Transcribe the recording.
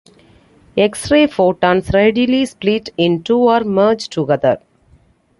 X-ray photons readily split in two or merge together.